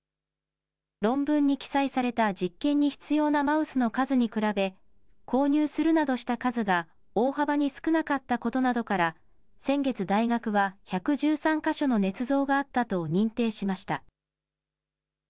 論文に記載された実験に必要なマウスの数に比べ購入するなどした数が大幅に少なかったことなどから先月、大学は１１３か所のねつ造があったと認定しました。